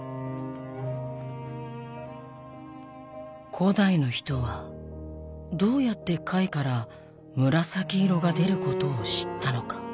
古代の人はどうやって貝から紫色が出ることを知ったのか？